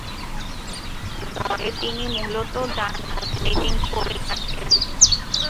দলে তিনি মূলতঃ ডানহাতে ব্যাটিং করে থাকেন।